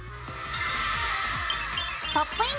「ポップイン！